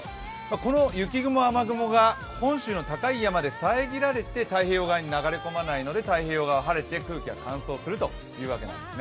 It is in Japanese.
この雪雲、雨雲が本州の高い山で遮られて太平洋側に流れ込まないので太平洋側は晴れて空気が乾燥するというわけなんです。